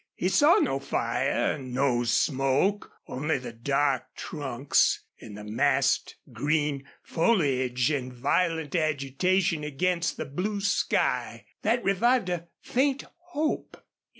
He saw no fire, no smoke only the dark trunks, and the massed green foliage in violent agitation against the blue sky. That revived a faint hope.